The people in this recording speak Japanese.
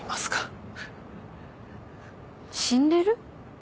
死んでる？